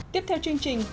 tiếp theo chương trình